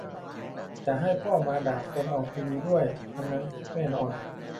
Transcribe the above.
อย่าให้พ่อมาด่าคนออกทีวีด้วย อันนั้นคุกแน่นอน